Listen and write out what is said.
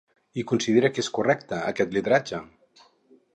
I considera que és correcte, aquest lideratge?